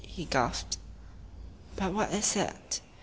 he gasped. But what is that?